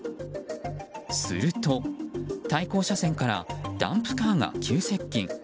すると、対向車線からダンプカーが急接近。